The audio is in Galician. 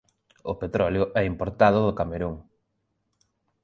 O petróleo é importado do Camerún.